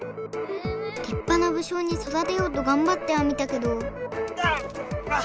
りっぱな武将にそだてようとがんばってはみたけどだあっ！